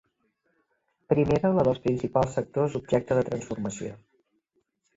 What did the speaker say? Primera, la dels principals sectors objecte de transformació.